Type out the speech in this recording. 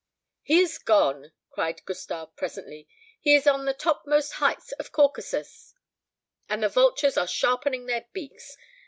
"He is gone!" cried Gustave presently; "he is on the topmost heights of Caucasus, and the vultures are sharpening their beaks!